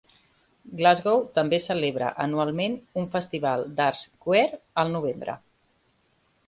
Glasgow també celebra anualment un festival d'arts "queer" al novembre.